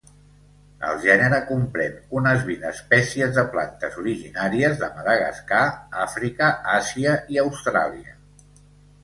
El gènere comprèn unes vint espècies de plantes originàries de Madagascar, Àfrica, Àsia i Austràlia.